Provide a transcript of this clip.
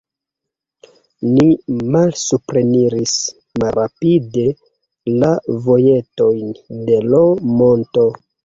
Ni malsupreniris malrapide la vojetojn de l' monto.